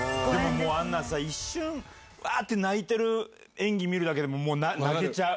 あんなさ、一瞬、わーって泣いてる演技を見てるだけで、もう泣けちゃう。